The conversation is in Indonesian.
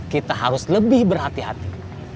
kita harus lebih berhati hati